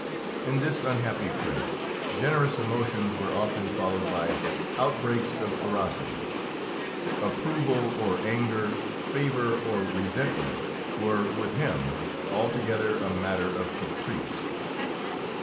In this unhappy Prince generous emotions were often followed by outbreaks of ferocity; approval or anger, favour or resentment, were with him altogether a matter of caprice.